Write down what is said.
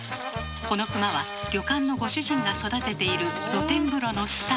この熊は旅館のご主人が育てている露天風呂のスター。